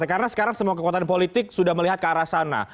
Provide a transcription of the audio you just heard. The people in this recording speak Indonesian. karena sekarang semua kekuatan politik sudah melihat ke arah sana